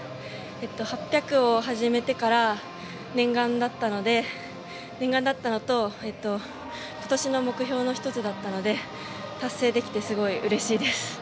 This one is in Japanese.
８００を始めてから念願だったのと今年の目標の１つだったので達成できてすごいうれしいです。